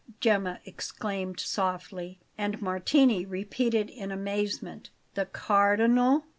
Gemma exclaimed softly; and Martini repeated in amazement: "The Cardinal?"